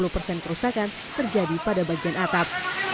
lima puluh persen kerusakan terjadi pada bagian atap